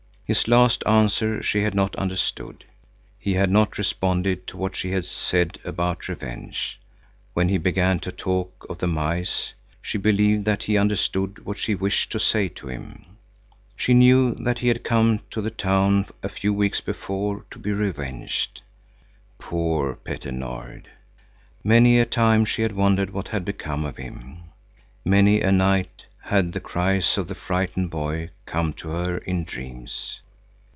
His last answer she had not understood. He had not responded to what she had said about revenge. When he began to talk of the mice, she believed that he understood what she wished to say to him. She knew that he had come to the town a few weeks before to be revenged. Poor Petter Nord! Many a time she had wondered what had become of him. Many a night had the cries of the frightened boy come to her in dreams.